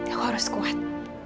aku harus kuat